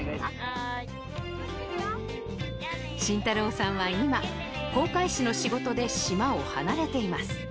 はーい真太郎さんは今航海士の仕事で島を離れています